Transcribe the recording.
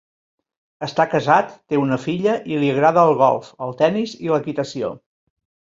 Està casat, té una filla i li agrada el golf, el tennis i l'equitació.